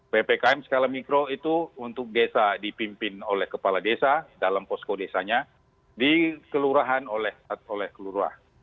ppkm skala mikro itu untuk desa dipimpin oleh kepala desa dalam posko desanya di kelurahan oleh kelurahan